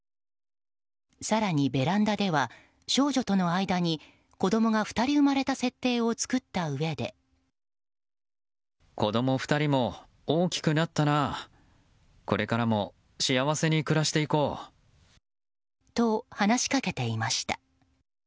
更に、ベランダでは少女との間に子供が２人生まれた設定を作ったうえで。と話しかけていました。